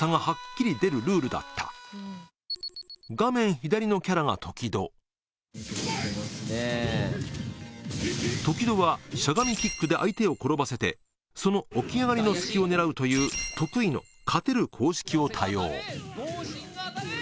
左のキャラがときどときどはしゃがみキックで相手を転ばせてその起き上がりの隙を狙うという得意の勝てる公式を多用